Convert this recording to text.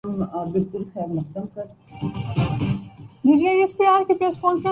Libya میں انتشار پیدا کیا جاتا ہے۔